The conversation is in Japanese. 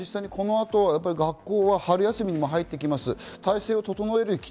この後、学校は春休みにも入ってきます。